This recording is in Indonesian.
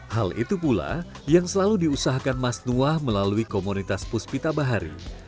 hal itu pula yang selalu diusahakan mas nuah melalui komunitas puspita bahari